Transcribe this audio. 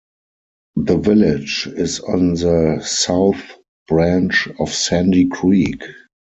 The village is on the South Branch of Sandy Creek.